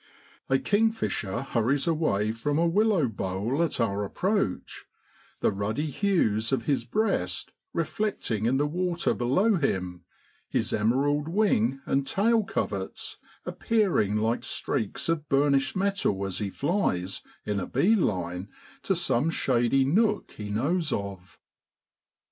A kingfisher hurries away from a willow bole at our approach, the ruddy hues of his breast reflecting in the water below him, his emerald wing and tail coverts appearing like streaks of burnished metal as he flies in a bee line to some shady nook he knows of.